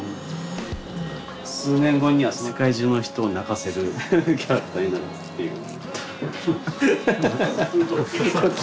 数年後には世界中の人を泣かせるキャラクターになるっていう。